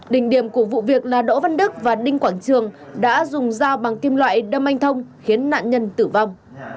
đỉnh điểm của vụ việc là đỗ văn đức và đinh quảng trường đã dùng dao bằng kim loại đâm anh thông khiến nạn nhân tử vong